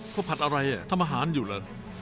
พวกพัดอะไรอ่ะทำอาหารอยู่หรอ